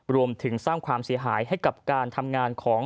รวมถึงสร้างความเสียหายให้กับการทำงานของ